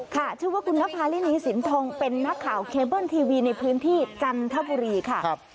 ชื่อว่าคุณนภารินีสินทองเป็นนักข่าวเคเบิ้ลทีวีในพื้นที่จันทบุรีค่ะ